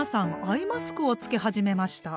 アイマスクを着け始めました。